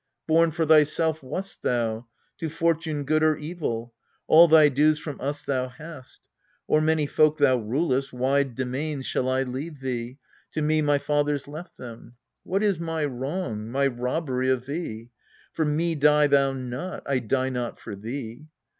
Born for thyself wast thou, to fortune good Or evil : all thy dues from us thou hast. O'er many folk thou rulest ; wide demesnes Shall I leave thee : to me my fathers left them. What is my wrong, my robbery of thee ? For me die thou not, I die not for thee.